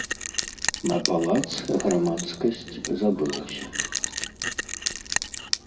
На палац грамадскасць забылася.